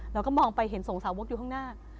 เราก็มองไปเห็นส่งสาวกอยู่ข้างหน้า